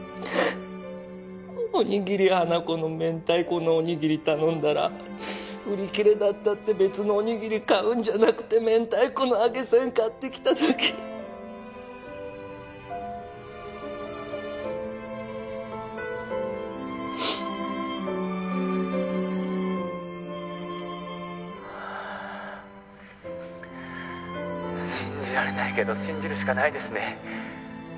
おにぎり花子の明太子のおにぎり頼んだら「売り切れだった」って別のおにぎり買うんじゃなくて明太子の揚げせん買ってきた時はあっ信じられないけど信じるしかないですね